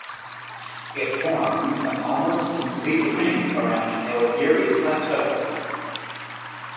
It forms an almost complete ring around the Nilgiri Plateau.